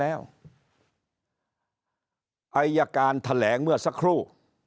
แล้วอายการแถลงเมื่อสักครู่